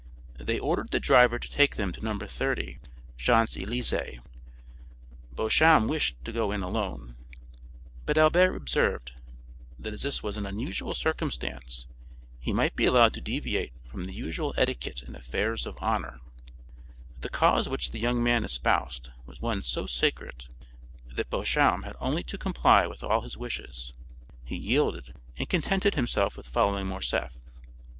They ordered the driver to take them to No. 30 Champs Élysées. Beauchamp wished to go in alone, but Albert observed that as this was an unusual circumstance he might be allowed to deviate from the usual etiquette of duels. The cause which the young man espoused was one so sacred that Beauchamp had only to comply with all his wishes; he yielded and contented himself with following Morcerf.